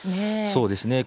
そうですね。